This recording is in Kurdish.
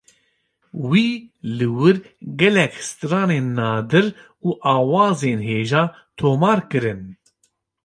Wî li wir gelek stranên nadir û awazên hêja tomar kirin.